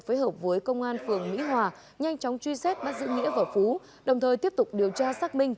phối hợp với công an phường mỹ hòa nhanh chóng truy xét bắt giữ nghĩa và phú đồng thời tiếp tục điều tra xác minh